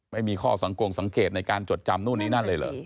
ไม่มีข้อสังกงสังเกตในการจดจำนู่นนี่นั่นเลยเหรอ